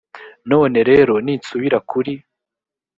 none rero ninsubira kuri